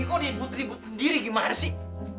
ini kok diibut ribut sendiri gimana sih